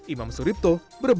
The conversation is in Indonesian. imam suripto berbunyi